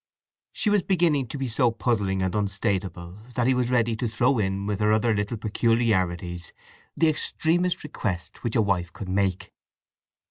She was beginning to be so puzzling and unstateable that he was ready to throw in with her other little peculiarities the extremest request which a wife could make.